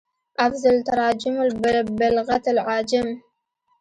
افضل التراجم بالغت العاجم